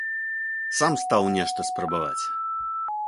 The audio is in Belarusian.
Сам стаў нешта спрабаваць.